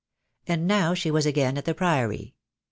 And now she was again at the Priory.